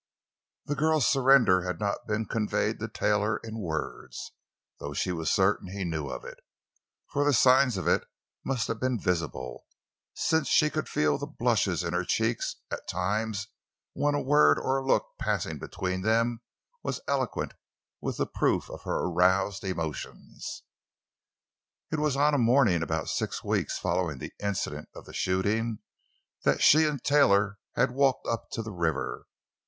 The girl's surrender had not been conveyed to Taylor in words, though she was certain he knew of it; for the signs of it must have been visible, since she could feel the blushes in her cheeks at times when a word or a look passing between them was eloquent with the proof of her aroused emotions. It was on a morning about six weeks following the incident of the shooting that she and Taylor had walked to the river.